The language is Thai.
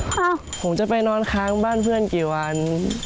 ครับผมจะไปนอนค้างบ้านเพื่อนกี่วัน